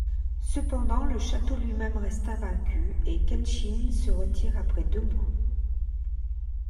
Cependant, le château lui-même reste invaincu et Kenshin se retire après deux mois.